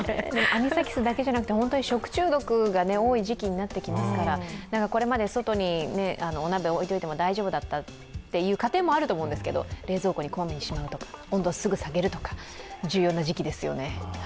アニサキスだけじゃなくて食中毒が多くなってくる時期になりますからこれまで外にお鍋を置いておいても大丈夫だったという家庭もあると思うんですけれども冷蔵庫にすぐしまうとか、温度をすぐ下げるとか重要な時期ですよね。